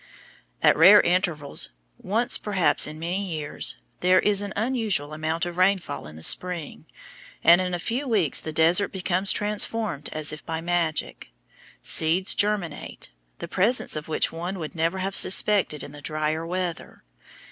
At rare intervals, once perhaps in many years, there is an unusual amount of rainfall in the spring, and in a few weeks the desert becomes transformed as if by magic. Seeds germinate, the presence of which one would never have suspected in the drier weather.